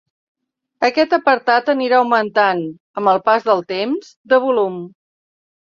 Aquest apartat anirà augmentant, amb el pas del temps, de volum.